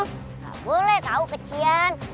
nggak boleh tau kecian